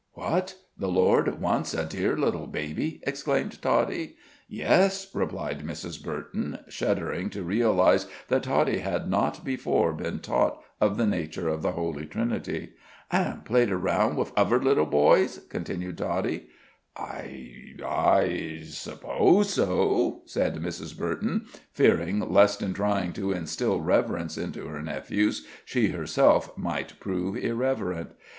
"What! The Lord once a dear little baby?" exclaimed Toddie. "Yes," replied Mrs. Burton, shuddering to realize that Toddie had not before been taught of the nature of the Holy Trinity. "An' played around like uvver little boysh?" continued Toddie. "I I suppose so," said Mrs. Burton, fearing lest in trying to instill reverence into her nephews, she herself might prove irreverent.